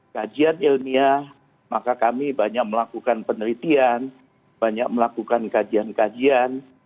kajian ilmiah maka kami banyak melakukan penelitian banyak melakukan kajian kajian